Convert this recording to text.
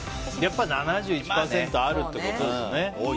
やっぱり７１％あるってことですね。